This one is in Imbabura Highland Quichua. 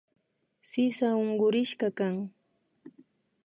Sisa unkurishkakan